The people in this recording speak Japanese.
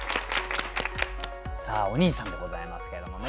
さあおにいさんでございますけれどもね。